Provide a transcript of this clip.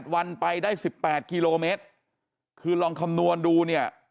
วันไปได้๑๘กิโลเมตรคือลองคำนวณดูเนี่ย